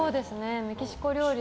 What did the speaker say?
メキシコ料理